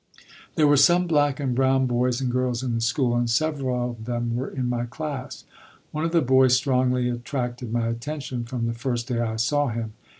There were some black and brown boys and girls in the school, and several of them were in my class. One of the boys strongly attracted my attention from the first day I saw him.